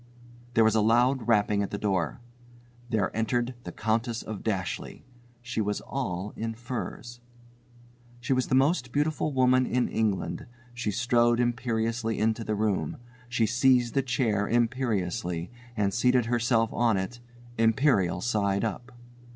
There was a loud rapping at the door. There entered the Countess of Dashleigh. She was all in furs. She was the most beautiful woman in England. She strode imperiously into the room. She seized a chair imperiously and seated herself on it, imperial side up.